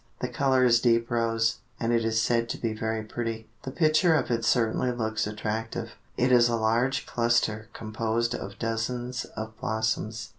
The color is deep rose, and it is said to be very pretty. The picture of it certainly looks attractive. It is a large cluster composed of dozens of blossoms.